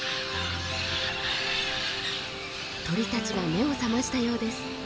鳥たちが目を覚ましたようです。